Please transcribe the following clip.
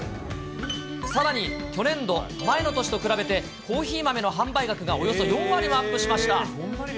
さらに去年度、前の年と比べてコーヒー豆の販売額がおよそ４割もアップしました。